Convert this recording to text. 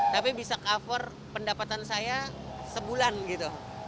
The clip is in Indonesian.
tapi bisa cover pendapatan saya sebulan gitu